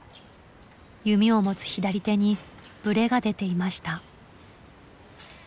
弓を持つ左手にブレが出ていました。